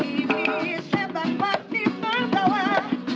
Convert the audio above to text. ini setan pasti menawar